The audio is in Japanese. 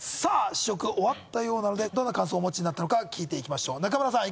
試食が終わったようなのでどんな感想をお持ちになったのか聞いていきましょう中村さん